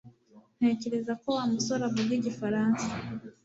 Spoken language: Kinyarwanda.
Ntekereza ko Wa musore avuga Igifaransa